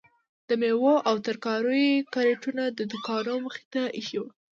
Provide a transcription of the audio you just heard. د میوو او ترکاریو کریټونه د دوکانو مخې ته ایښي وو.